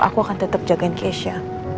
aku akan tetep jagain kezia